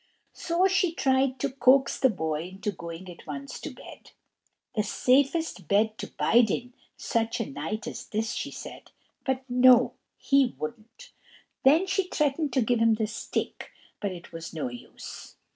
So she tried to coax the boy into going at once to bed: "The safest bed to bide in, such a night as this!" she said: but no, he wouldn't. Then she threatened to "give him the stick," but it was no use.